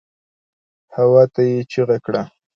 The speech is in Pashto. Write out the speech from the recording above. هواته يې چيغه کړه.